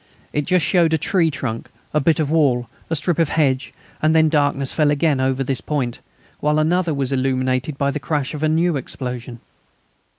It just showed a tree trunk, a bit of wall, a strip of hedge, and then the darkness fell again over this point, while another was illuminated by the crash of a new explosion.